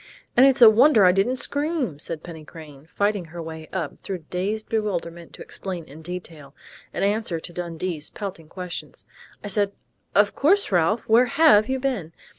and it's a wonder I didn't scream," said Penny Crain, fighting her way up through dazed bewilderment to explain in detail, in answer to Dundee's pelting questions. "I said, 'Of course, Ralph.... Where have you been?...'